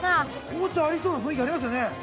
紅茶ありそうな雰囲気ありますよね。